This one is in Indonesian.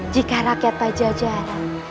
jika rakyat pajajara